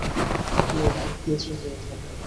Nora, নিচু হয়ে থাক।